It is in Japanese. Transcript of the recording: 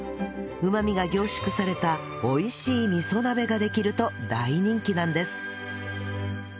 うまみが凝縮された美味しい味噌鍋ができると大人気なんです